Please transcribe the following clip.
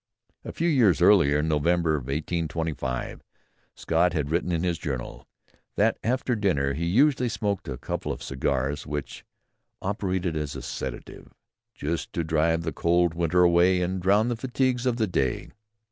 A few years earlier, in November 1825, Scott had written in his "Journal" that after dinner he usually smoked a couple of cigars which operated as a sedative _Just to drive the cold winter away, And drown the fatigues of the day.